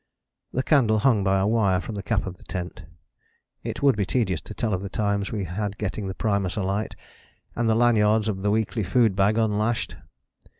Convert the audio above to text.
The candle hung by a wire from the cap of the tent. It would be tedious to tell of the times we had getting the primus alight, and the lanyards of the weekly food bag unlashed.